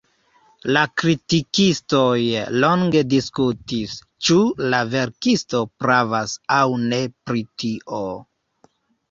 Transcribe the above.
La kritikistoj longe diskutis, ĉu la verkisto pravas aŭ ne pri tio.